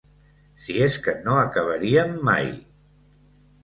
Si és que no acabaríem mai!